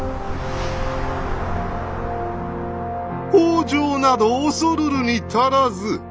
北条など恐るるに足らず。